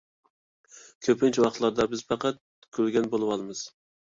كۆپىنچە ۋاقىتلاردا بىز پەقەت كۈلگەن بولىۋالىمىز